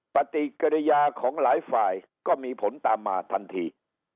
ปฏิกิริยาของหลายฝ่ายก็มีผลตามมาทันที